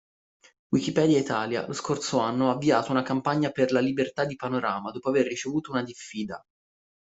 Wikipedia Italia, lo scorso anno, ha avviato una campagna per la Libertà di Panorama dopo aver ricevuto una diffida.